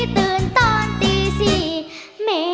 เพลงเก่งของคุณครับ